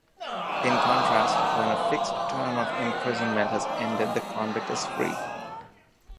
In contrast, when a fixed term of imprisonment has ended, the convict is free.